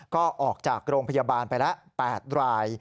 ก็ออกจากโรงพยาบาลไปแล้ว๘ราย